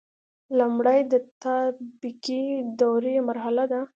لمړی د تطابقي دورې مرحله ده.